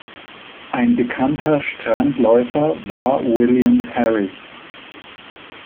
Ein bekannter Strandläufer war William Harris.